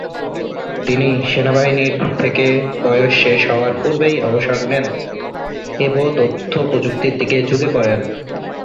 তিনি সেনাবাহিনী থেকে বয়স শেষ হওয়ার পূর্বেই অবসর নেন এব তথ্য প্রযুক্তির দিকে ঝুঁকে পড়েন।